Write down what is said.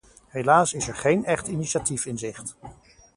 Helaas is er geen echt initiatief in zicht.